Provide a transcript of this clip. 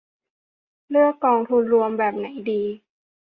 เลือกกองทุนรวมแบบไหนดี